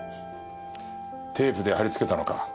テープで貼り付けたのか？